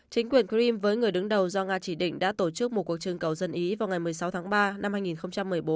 chính quyền grim với người đứng đầu do nga chỉ định đã tổ chức một cuộc trưng cầu dân ý vào ngày một mươi sáu tháng ba năm hai nghìn một mươi bốn